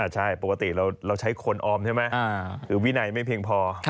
ใช่ปกติเราใช้คนออมใช่ไหมหรือวินัยไม่เพียงพอ